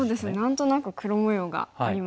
何となく黒模様がありますね。